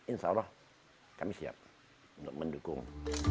insya allah kami siap untuk mendukung